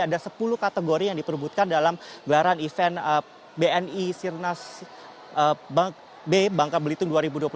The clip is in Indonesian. ada sepuluh kategori yang diperbutkan dalam gelaran event bni sirnas b bangka belitung dua ribu dua puluh tiga